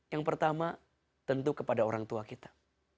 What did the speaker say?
yang pertama tentu kepada orang tua kita